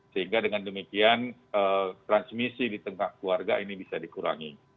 sehingga dengan demikian transmisi di tengah keluarga ini bisa dikurangi